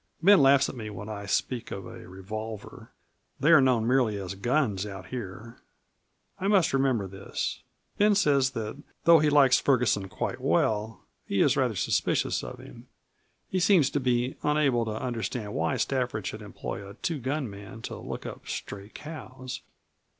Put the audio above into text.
Ben laughs at me when I speak of a 'revolver'; they are known merely as 'guns' out here. I must remember this. Ben says that though he likes Ferguson quite well, he is rather suspicious of him. He seems to be unable to understand why Stafford should employ a two gun man to look up stray cows."